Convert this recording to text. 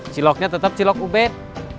ciloknya tetap cilok ubet